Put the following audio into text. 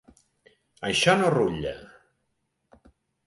Això no rutlla!